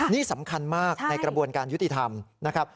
นี่สำคัญมากในกระบวนการยุติธรรมนะครับ